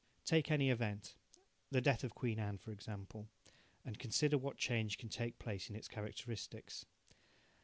Take any event the death of Queen Anne, for example and consider what change can take place in its characteristics.